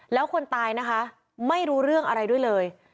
แล้วคนตายนะคะไม่รู้เรื่องอะไรด้วยเลย